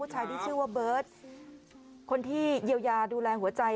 ตัวเบิร์ดคนที่เยียวยาดูแลหัวใจ